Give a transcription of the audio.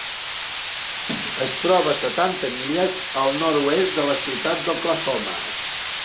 Es troba a setanta milles al nord-oest de la ciutat d'Oklahoma.